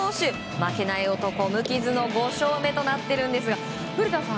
負けない男、無傷の５勝目となっているんですが古田さん